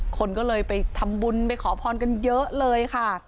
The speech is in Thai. คนก็เลยไปทำบุญไปขอพรกันเยอะเลยค่ะ